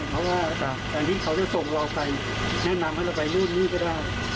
เพราะว่าจากการที่เขาจะส่งเราไปแนะนำให้เราไปนู่นนี่ก็ได้